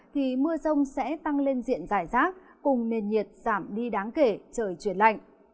thì mưa rông sẽ tăng lên diện giải rác cùng nền nhiệt giảm đi đáng kể trời chuyển lạnh